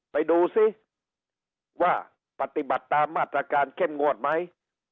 ไปดูซิว่าปฏิบัติตามมาตรการเข้มงวดไหม